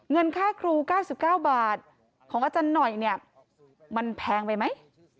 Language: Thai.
เงินค่าครู๙๙บาทของอาจารย์หน่อยเนี่ยมันแพงไปไหม